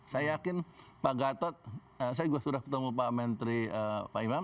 saya yakin pak gatot saya juga sudah ketemu pak menteri pak imam